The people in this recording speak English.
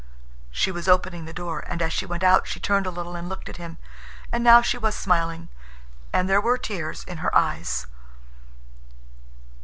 She was opening the door. And as she went out she turned a little and looked at him, and now she was smiling, and there were tears in her eyes.